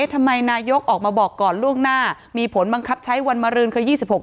ทำไมนายกรัฐมนตรีออกมาบอกก่อนล่วงหน้ามีผลบังคับใช้วันมารื่นคือ๒๖มีนาคม